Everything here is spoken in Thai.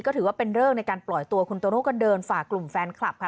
ก็ถือว่าเป็นเลิกในการปล่อยตัวคุณโตโน่ก็เดินฝากกลุ่มแฟนคลับค่ะ